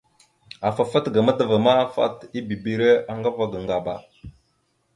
Afa fat ga madəva ma, fat ibibire aŋga ava ga Ŋgaba.